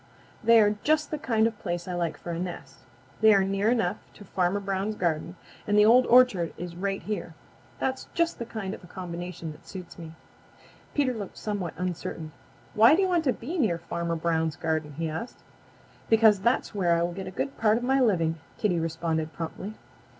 They are just the kind of a place I like for a nest. They are near enough to Farmer Brown's garden, and the Old Orchard is right here. That's just the kind of a combination that suits me." Peter looked somewhat uncertain. "Why do you want to be near Farmer Brown's garden?" he asked. "Because that is where I will get a good part of my living," Kitty responded promptly.